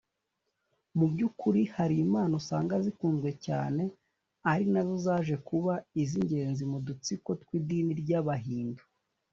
mu by’ukuri hari imana usanga zikunzwe cyane ari na zo zaje kuba iz’ingenzi mu dutsiko tw’idini ry’abahindu